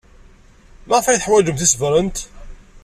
Maɣef ay teḥwajemt tisebrent?